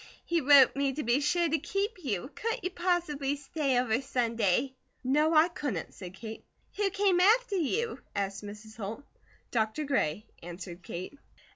He wrote me to be sure to keep you. Couldn't you possibly stay over Sunday?" "No, I couldn't," said Kate. "Who came after you?" asked Mrs. Holt. "Dr. Gray," answered Kate.